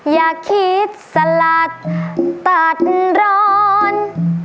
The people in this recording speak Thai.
อย่าคิดสลัดตัดร้อน